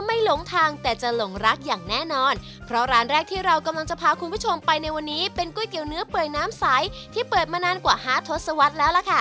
หลงทางแต่จะหลงรักอย่างแน่นอนเพราะร้านแรกที่เรากำลังจะพาคุณผู้ชมไปในวันนี้เป็นก๋วยเตี๋ยวเนื้อเปื่อยน้ำใสที่เปิดมานานกว่าห้าทศวรรษแล้วล่ะค่ะ